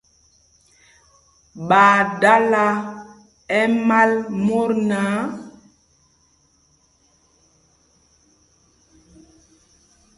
Ɓaa dala ɛmal mot náǎ.